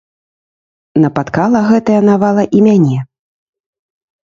Напаткала гэтая навала і мяне.